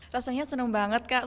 rasanya senang banget kak